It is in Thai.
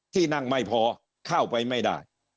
ที่นั่งไม่พอเข้าไปไม่ได้